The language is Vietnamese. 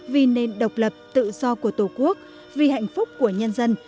vì nền độc lập tự do của tổ quốc vì hạnh phúc của nhân dân